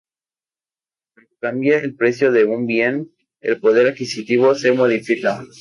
Cuando cambia el precio de un bien, el poder adquisitivo se modifica.